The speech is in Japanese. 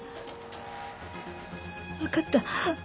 わかった。